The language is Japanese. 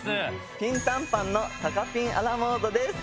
ピンタンパンのたかぴんア・ラ・モード☆です。